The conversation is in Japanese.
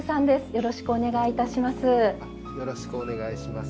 よろしくお願いします。